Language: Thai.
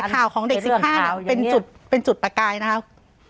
แต่ข่าวของเด็กสิทธิภาพเป็นจุดประกายนะครับ